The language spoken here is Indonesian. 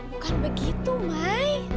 bukan begitu mai